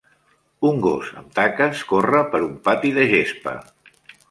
Un gos amb taques corre per un pati de gespa